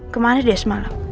kemarin dia semalam